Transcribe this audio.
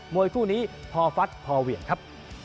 วยคู่นี้พอฟัดพอเหวี่ยงครับ